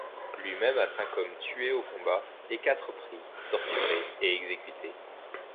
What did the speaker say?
Lui-même a cinq hommes tués au combat, et quatre pris, torturés et exécutés.